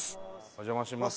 お邪魔します。